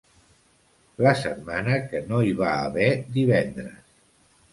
La setmana que no hi va haver divendres.